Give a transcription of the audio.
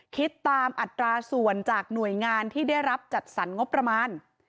คิดตามอัตราส่วนจากหน่วยงานที่ได้รับจัดสรรงบประมาณ